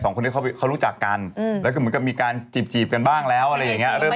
คนที่เขารู้จักกันแล้วก็เหมือนกับมีการจีบกันบ้างแล้วอะไรอย่างเงี้เริ่ม